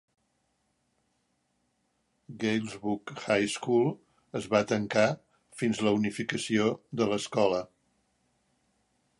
Galesburg High School es va tancar fins la unificació de l'escola.